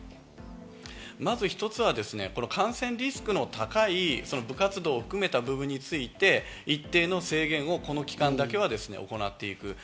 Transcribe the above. まず１つは感染リスクの高い部活動を含めた部分について、一定の制限をこの期間だけは行っていく。